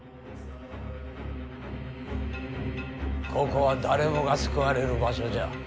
ここは誰もが救われる場所じゃ。